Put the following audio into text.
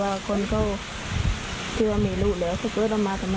ว่าคุณคุณก็เกลียดว่ามีลูกเลยคุณคุณมาทำไม